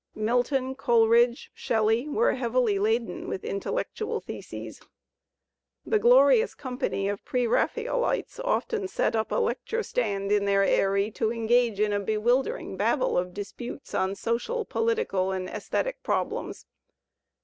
Milton, Coleridge, Shelley were heavily laden with intellectual theses. The glorious company of pre Raphaelites often set up a lecture stand in their aerie and engage in a bewildering babel of disputes on social, political and aesthetic problems.